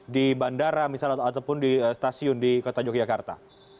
di bandara misalnya ataupun di stasiun di kota yogyakarta